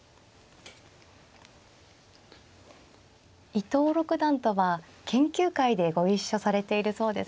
伊藤六段とは研究会でご一緒されているそうですね。